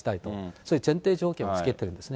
そういう前提条件を付けてるんですね。